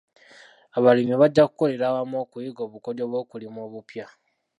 Abalimi bajja kukolera wamu okuyiga obukodyo bw'okulima obupya.